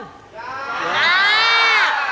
ยาก